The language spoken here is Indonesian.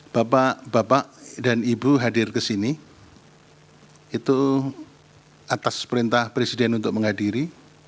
bapak bapak dan ibu hadir ke sini itu atas perintah presiden untuk menghadiri